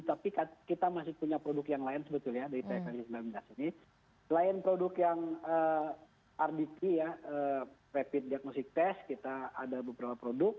tapi kita masih punya produk yang lain sebetulnya dari pssi sembilan belas ini selain produk yang rdt ya rapid diagnosic test kita ada beberapa produk